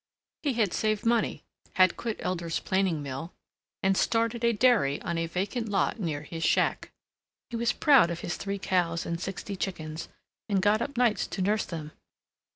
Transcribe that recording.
He had saved money, had quit Elder's planing mill and started a dairy on a vacant lot near his shack. He was proud of his three cows and sixty chickens, and got up nights to nurse them.